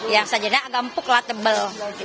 yang sajada agak empuk lah tebal